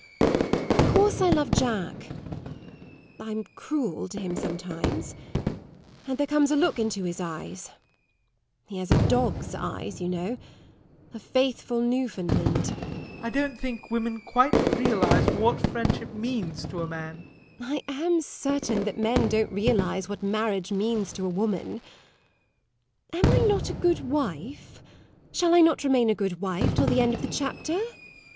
Of course I love Jack. I'm cruel to him sometimes; and there comes a look into his eyes he has dog's eyes, you know a faithful Newfoundland SIR GEOFFREY. [Very earnestly.] I don't think women quite realise what friendship means to a man. LADY TORMINSTER. I am certain that men don't realise what marriage means to a woman! Dear funeral, am I not a good wife shall I not remain a good wife, till the end of the chapter?